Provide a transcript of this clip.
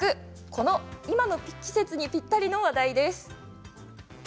この今の季節にぴったりの話題です。